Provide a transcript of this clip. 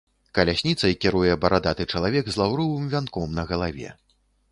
Калясніцай кіруе барадаты чалавек з лаўровым вянком на галаве.